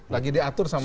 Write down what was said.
lagi diatur sama